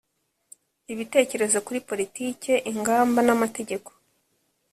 ibitekerezo kuri politiki ingamba n amategeko